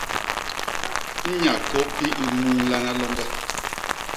Nya kôp i i nnuñlana loñge.